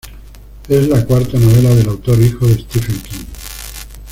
Es la cuarta novela del autor, hijo de Stephen King.